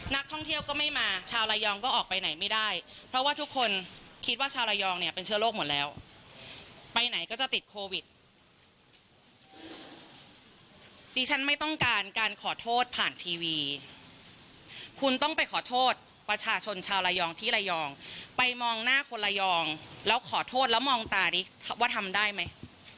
ไปมองหน้าคนระยองแล้วขอโทษแล้วมองตาดิว่าทำได้ไหม